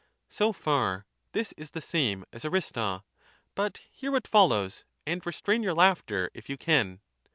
So far this is the same as Aristo ; but hear what follows, and restrain your laughter if you can.